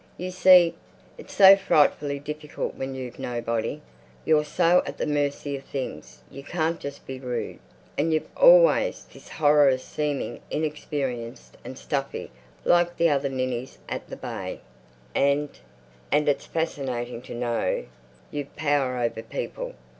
You see, it's so frightfully difficult when you've nobody. You're so at the mercy of things. You can't just be rude. And you've always this horror of seeming inexperienced and stuffy like the other ninnies at the Bay. And—and it's fascinating to know you've power over people.